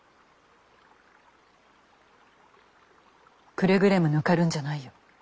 くれぐれも抜かるんじゃないよ。